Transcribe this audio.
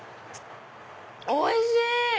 おいしい！